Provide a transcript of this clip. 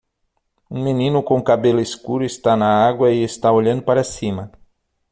Um menino com cabelo escuro está na água e está olhando para cima.